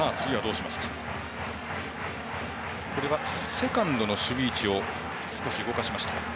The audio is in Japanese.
セカンドの守備位置を少し動かしました。